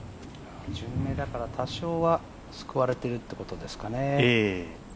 順目だから多少は救われているというところでしょうかね。